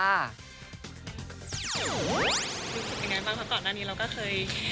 รู้สึกยังไงบ้างคะก่อนหน้านี้เราก็เคย